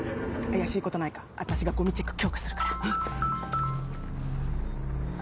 怪しいことないか私がゴミチェック強化するから。